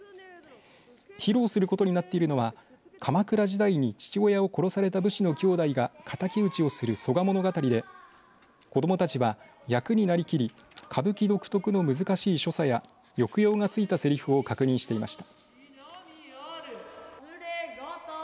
披露することになっているのは鎌倉時代に父親を殺された武士の兄弟が敵討ちをする曽我物語で、子どもたちは役になりきり歌舞伎独特の難しい所作や抑揚がついたせりふを確認していました。